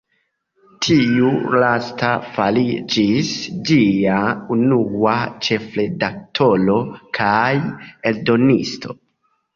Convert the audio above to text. Tiu lasta fariĝis ĝia unua ĉefredaktoro kaj eldonisto.